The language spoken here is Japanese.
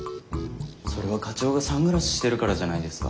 それは課長がサングラスしてるからじゃないですか？